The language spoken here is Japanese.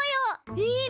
いいね！